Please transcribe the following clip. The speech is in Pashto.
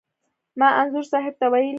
ما انځور صاحب ته ویلي و.